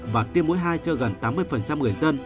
và tiêm mũi hai cho gần tám mươi người dân